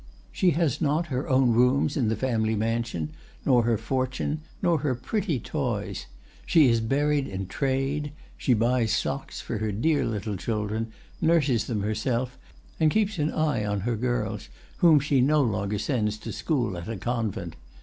She has not her own rooms in the family mansion, nor her fortune, nor her pretty toys; she is buried in trade; she buys socks for her dear little children, nurses them herself, and keeps an eye on her girls, whom she no longer sends to school at a convent.